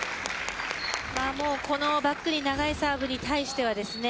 このバックに長いサーブに対してはですね